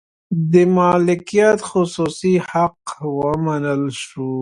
د مالکیت خصوصي حق ومنل شو.